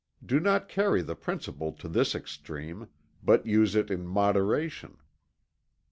Do not carry the principle to this extreme but use it in moderation.